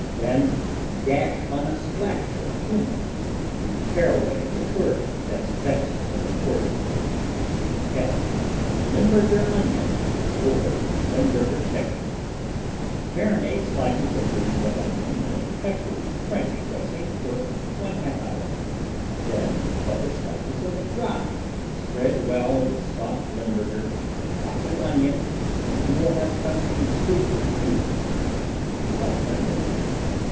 Then dash on a splash of kümmel, the caraway liqueur that's best when imported. L Limburger Onion or Limburger Catsup Marinate slices of Bermuda onion in a peppery French dressing for 1/2 hour. Then butter slices of rye, spread well with soft Limburger, top with onion and you will have something super duper if you like Limburger.